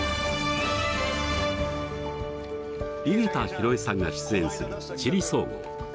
井桁弘恵さんが出演する「地理総合」。